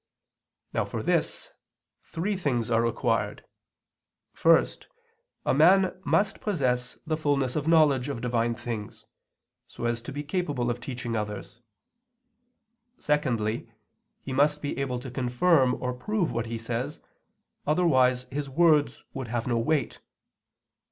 Now for this three things are required: first, a man must possess the fullness of knowledge of Divine things, so as to be capable of teaching others. Secondly, he must be able to confirm or prove what he says, otherwise his words would have no weight.